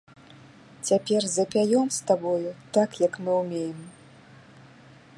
Цяпер запяём з табою так, як мы ўмеем!